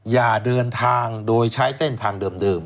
อย่าเดินทางโดยใช้เส้นทางเดิม